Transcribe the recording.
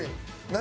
何？